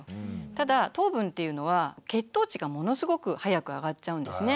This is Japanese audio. ただ糖分っていうのは血糖値がものすごく早く上がっちゃうんですね。